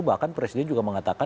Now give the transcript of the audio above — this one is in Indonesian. bahkan presiden juga mengatakan